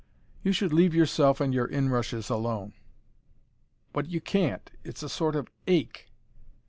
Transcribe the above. "You should leave yourself and your inrushes alone." "But you can't. It's a sort of ache."